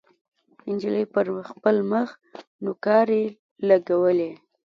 نجلۍ پر خپل مخ نوکارې لګولې.